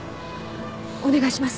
お願いします。